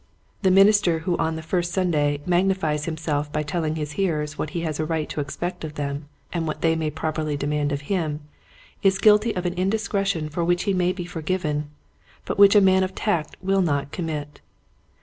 The minister who on the first Sunday magnifies himself by telling his hearers what he has a right to expect of them and what they may properly demand of him, is guilty of an indiscretion for which he may be forgiven, but which a man of tact will not commit.